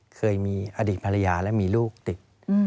เคยมีอดีตภรรยาและมีลูกติด